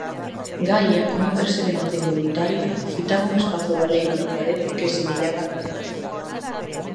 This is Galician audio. Gaia, cunha perseveranza involuntaria, fitaba un espazo baleiro na parede que semellaba agardar.